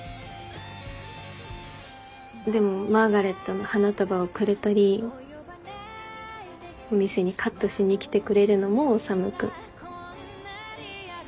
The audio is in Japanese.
でもマーガレットの花束をくれたりお店にカットしに来てくれるのも修君。